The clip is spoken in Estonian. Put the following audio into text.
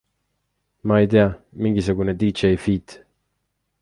Ma ei tea, mingisugune DJ feat.